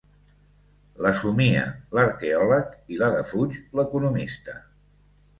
La somia l'arqueòleg i la defuig l'economista.